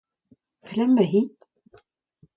Pelec'h emañ-hi ?